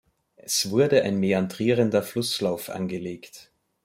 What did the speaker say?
Es wurde ein mäandrierender Flusslauf angelegt.